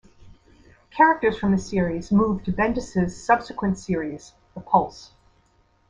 Characters from the series moved to Bendis' subsequent series "The Pulse".